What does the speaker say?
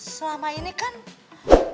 selama ini kan tuhan tuh gak pernah mau mijin